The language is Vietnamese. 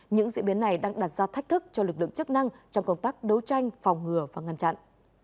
những diễn biến này đang đặt ra thách thức cho lực lượng chức năng trong công tác đấu tranh phòng ngừa và ngăn chặn